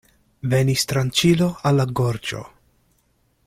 Venis tranĉilo al la gorĝo.